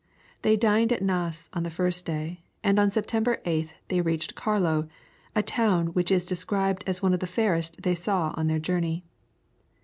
They dined at Naas on the first day, and on September 8th they reached Carlow, a town which is described as one of the fairest they saw on their journey.